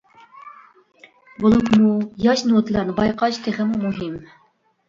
بولۇپمۇ ياش نوتىلارنى بايقاش تېخىمۇ مۇھىم.